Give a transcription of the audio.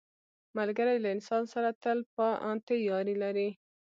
ملګری له انسان سره تل پاتې یاري لري